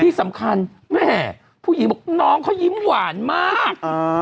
ที่สำคัญแม่ผู้หญิงบอกน้องเขายิ้มหวานมาก